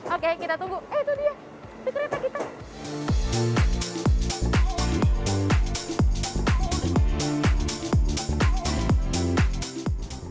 oke kita tunggu itu dia kita di kreta kita dibandingkan dengan hari kerja pagi pagi naik kereta di akhir pekan